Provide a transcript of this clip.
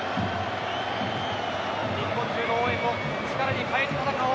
日本中の応援を力に変えて戦おう。